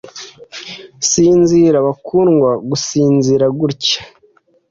Sinzira bakundwa gusinzira gutya